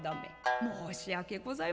「申し訳ございません。